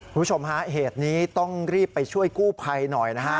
คุณผู้ชมฮะเหตุนี้ต้องรีบไปช่วยกู้ภัยหน่อยนะฮะ